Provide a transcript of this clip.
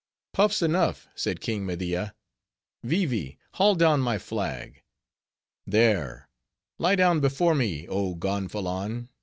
"Puffs enough," said King Media, "Vee Vee! haul down my flag. There, lie down before me, oh Gonfalon!